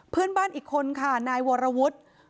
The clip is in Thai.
เพื่อนบ้านอีกคนค่ะนายวรวุฒิ